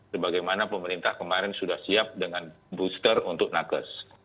sebagaimana pemerintah kemarin sudah siap dengan booster untuk nakes